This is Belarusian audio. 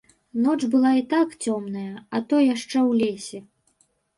Ноч была і так цёмная, а то яшчэ ў лесе.